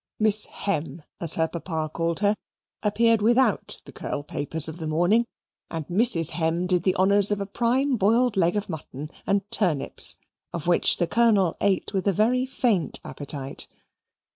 (Miss Hem, as her papa called her) appeared without the curl papers of the morning, and Mrs. Hem did the honours of a prime boiled leg of mutton and turnips, of which the Colonel ate with a very faint appetite.